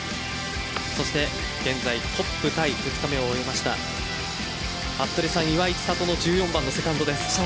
そして現在トップタイ２日目を終えました服部さん、岩井千怜の１４番のセカンドです。